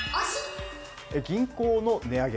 銀行の値上げ。